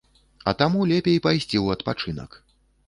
А таму лепей пайсці ў адпачынак.